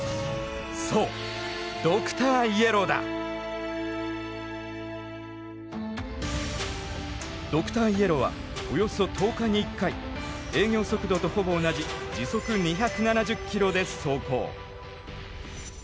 そうドクターイエローはおよそ１０日に１回営業速度とほぼ同じ時速２７０キロで走行。